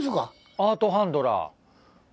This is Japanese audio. アートハンドラー！